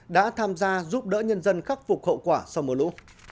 đã tham gia giúp đỡ nhân dân khắc phục hậu quả sau mùa lũ